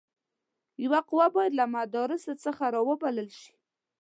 یوه قوه باید له مدراس څخه را وبلل شي.